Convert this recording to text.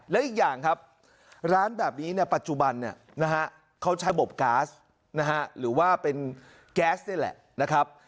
และอีกอย่างครับร้านแบบนี้ในปัจจุบันเขาใช้บบก๊าซหรือว่าเป็นแก๊สนี่แหละนะครับ